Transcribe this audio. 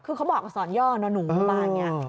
คือเขาบอกว่าสอนย่อนนูบางอย่างเนี่ย